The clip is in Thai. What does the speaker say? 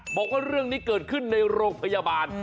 บอกว่าเรื่องนี้เกิดขึ้นในโรงพยาบาล